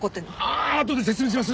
ああとで説明します。